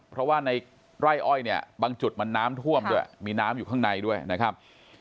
เพราะว่าในไร่อ้อยเนี่ยบางจุดมันน้ำท่วมด้วยมีน้ำอยู่ข้างในด้วยนะครับ